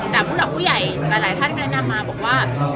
แต่ผู้หลักผู้ใหญ่หลายท่านก็แนะนำมาบอกว่า